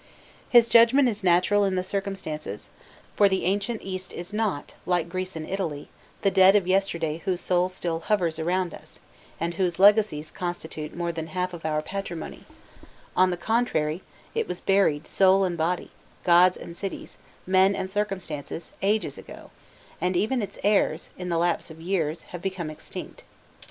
His judgment is natural in the circumstances, for the ancient East is not, like Greece and Italy, the dead of yesterday whose soul still hovers around us, and whose legacies constitute more than the half of our patrimony: on the contrary, it was buried soul and body, gods and cities, men and circumstances, ages ago, and even its heirs, in the lapse of years, have become extinct.